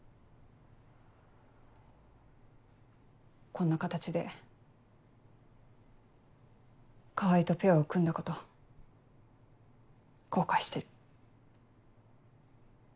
こんな形で川合とペアを組んだこと後悔してる。